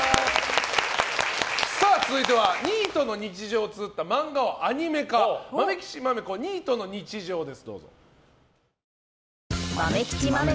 続いては、ニートの日常をつづった漫画をアニメ化「まめきちまめこニートの日常」です。